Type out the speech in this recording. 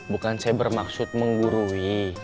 bukan saya bermaksud menggurui